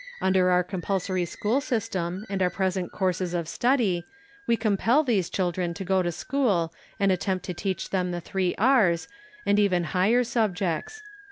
Under our compulsory school system and our present courses of study, we compel these children to go to school, and attempt to teach them the three R's, and even higher subjects.